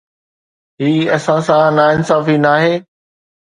هي اسان سان ناانصافي ناهي.